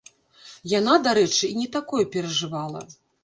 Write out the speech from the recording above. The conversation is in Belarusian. Яна, дарэчы, і не такое перажывала.